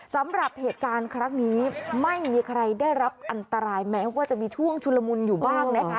สำหรับเหตุการณ์ครั้งนี้ไม่มีใครได้รับอันตรายแม้ว่าจะมีช่วงชุลมุนอยู่บ้างนะคะ